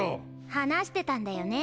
話してたんだよね？